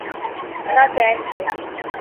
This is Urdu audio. نہ چین سے۔